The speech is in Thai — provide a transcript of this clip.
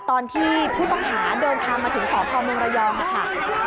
ตอนที่ผู้ต้องหาเดินทางมาถึงสพเมืองระยองค่ะ